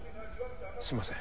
すみません。